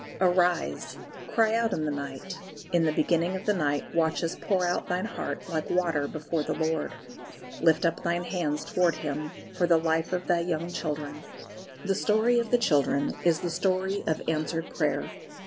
"Arise, cry out in the night; in the beginning of the night watches pour out thine heart like water before the Lord; lift up thine hands towards Him for the life of thy young children!" The story of the children is the story of answered prayer.